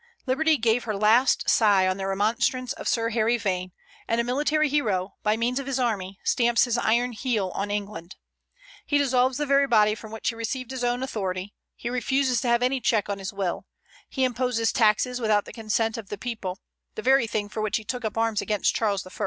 Liberty gave her last sigh on the remonstrance of Sir Harry Vane, and a military hero, by means of his army, stamps his iron heel on England. He dissolves the very body from which he received his own authority he refuses to have any check on his will; he imposes taxes without the consent of the people, the very thing for which he took up arms against Charles I.